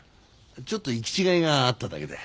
ちょっと行き違いがあっただけだよ。